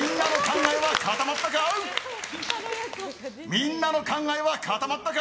みんなの考えは固まったか？